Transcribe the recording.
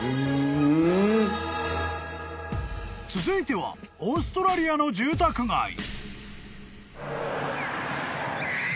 ［続いてはオーストラリアの住宅街］